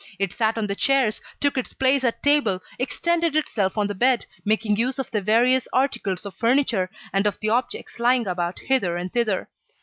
It sat on the chairs, took its place at table, extended itself on the bed, making use of the various articles of furniture, and of the objects lying about hither and thither.